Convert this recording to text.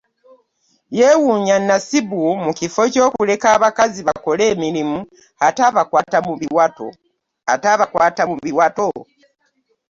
Yeewuunya Nasibu mu kifo ky'okuleka abakazi bakole emirimu ate abakwata mu biwato?